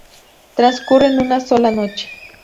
Transcurre en una sola noche.